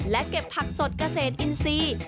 และเก็บผักสดเกษตรอินทรีย์